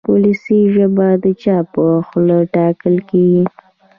وولسي ژبه د چا په خوله ټاکل کېږي.